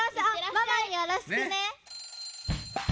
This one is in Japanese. ママによろしくね。